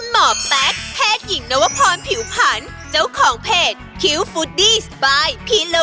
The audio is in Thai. แม่ป้านพระจันทร์บ้าน